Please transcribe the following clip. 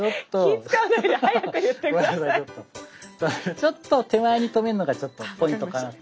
ちょっと手前に止めるのがちょっとポイントかなと。